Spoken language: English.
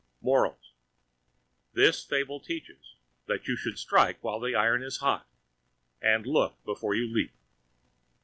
MORALS: This Fable teaches that you should Strike While the Iron is Hot, and Look Before you Leap.